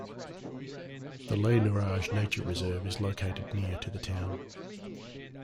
The Les Nourages Nature Reserve is located near to the town.